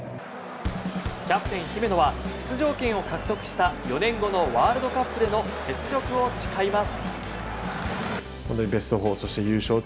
キャプテン、姫野は出場権を獲得した４年後のワールドカップでの雪辱を誓います。